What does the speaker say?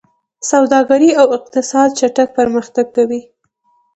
سوداګري او اقتصاد چټک پرمختګ کوي.